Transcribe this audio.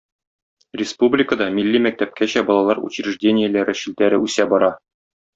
Республикада милли мәктәпкәчә балалар учреждениеләре челтәре үсә бара.